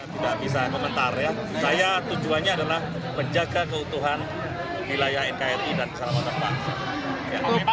tidak bisa memutar ya saya tujuannya adalah menjaga keutuhan wilayah nkri dan selamat tempat